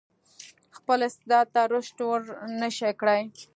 خپل استعداد ته رشد ورنه شي کړای.